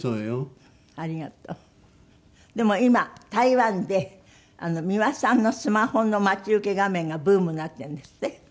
でも今台湾で美輪さんのスマホの待ち受け画面がブームになってるんですって？